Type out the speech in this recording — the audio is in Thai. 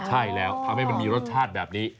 ใช่แล้วทำให้มันมีรสชาติแบบนี้